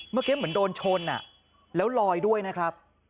เมื่อกี้เหมือนโดนชนแล้วลอยด้วยนะครับ